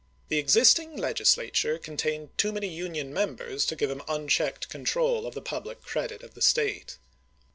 The existing Legislature contained too many Union members to give him unchecked control of the pub lic credit of the State.